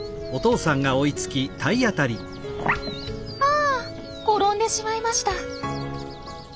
あ転んでしまいました。